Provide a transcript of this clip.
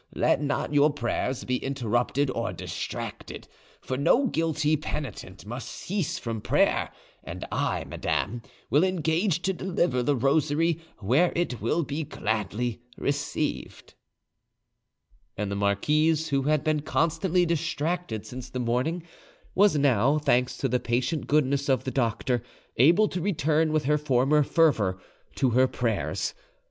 Let not your prayers be interrupted or distracted, for no guilty penitent must cease from prayer; and I, madame, will engage to deliver the rosary where it will be gladly received." And the marquise, who had been constantly distracted since the morning, was now, thanks to the patient goodness of the doctor, able to return with her former fervour to her prayers.